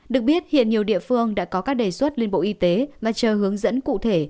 được biết hiện nhiều địa phương đã có các đề xuất lên bộ y tế mà chờ hướng dẫn cụ thể